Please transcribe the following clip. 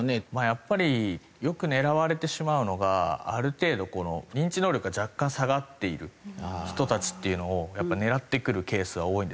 やっぱりよく狙われてしまうのがある程度認知能力が若干下がっている人たちっていうのをやっぱり狙ってくるケースが多いんですね。